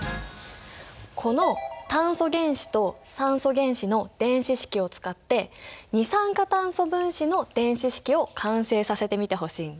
この炭素原子と酸素原子の電子式を使って二酸化炭素分子の電子式を完成させてみてほしいんだ。